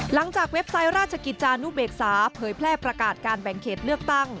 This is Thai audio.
เว็บไซต์ราชกิจจานุเบกษาเผยแพร่ประกาศการแบ่งเขตเลือกตั้ง